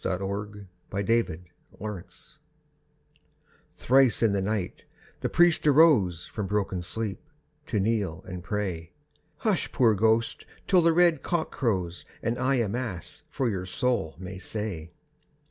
THE PRIEST'S BROTHER Thrice in the night the priest arose From broken sleep to kneel and pray. "Hush, poor ghost, till the red cock crows, And I a Mass for your soul may say."